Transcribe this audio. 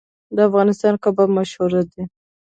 د افغانستان کباب مشهور دی